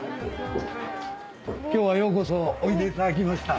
今日はようこそおいでいただきました。